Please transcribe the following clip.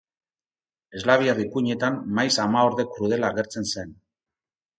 Eslaviar ipuinetan maiz amaorde krudela agertzen zen.